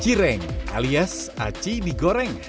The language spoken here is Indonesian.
cireng alias aci digoreng